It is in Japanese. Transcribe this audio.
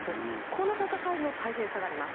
この戦いの大変さがあります。